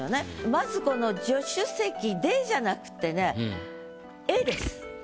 まずこの「助手席で」じゃなくってね「へ」です。